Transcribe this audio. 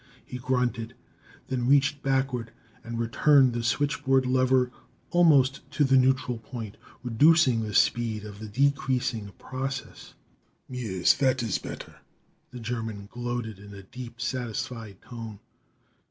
He grunted, then reached backward and returned the switchboard lever almost to the neutral point, reducing the speed of the decreasing process. "Yes, that is better," the German gloated, in a deep, satisfied tone.